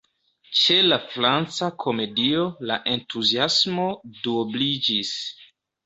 Ĉe la Franca Komedio, la entuziasmo duobliĝis.